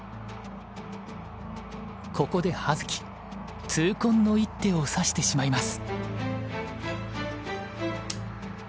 ここで葉月痛恨の一手を指してしまいます。